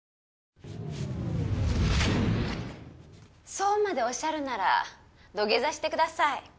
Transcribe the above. そうまでおっしゃるなら土下座してください。